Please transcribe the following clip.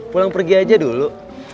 pulang pergi aja dulu